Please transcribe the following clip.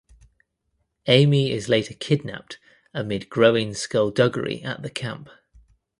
Amy is later kidnapped amid growing skulduggery at the camp.